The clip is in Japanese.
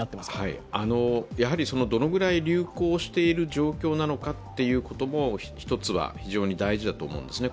どのくらい流行している状況なのかということも一つは非常に大事だと思うんですね。